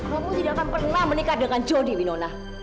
kamu tidak akan pernah menikah dengan jody winona